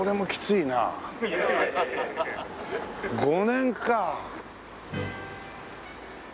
５年か。